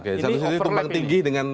ini overlap ini